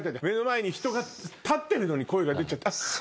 目の前に人が立ってるのに声が出ちゃう。